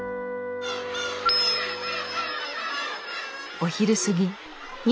お昼過ぎ。